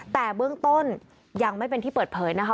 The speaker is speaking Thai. แต่เบื้องต้นยังไม่เป็นที่เปิดเผยนะคะ